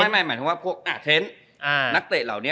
ไม่หมายถึงว่าพวกนักเตะเหล่านี้